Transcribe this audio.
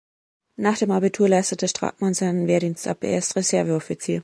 Nach dem Abitur leistete Stratmann seinen Wehrdienst ab, er ist Reserveoffizier.